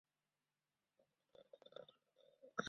按照玻利维亚宪法基罗加不能再次连任。